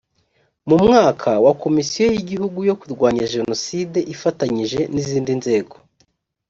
mu mwaka wa komisiyo y igihugu yo kurwanya jenoside ifatanyije n izindi nzego